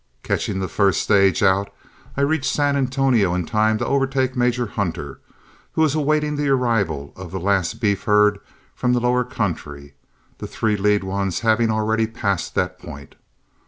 Catching the first stage out, I reached San Antonio in time to overtake Major Hunter, who was awaiting the arrival of the last beef herd from the lower country, the three lead ones having already passed that point.